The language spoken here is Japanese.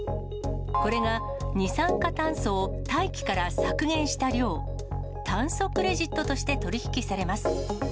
これが二酸化炭素を大気から削減した量、炭素クレジットとして取り引きされます。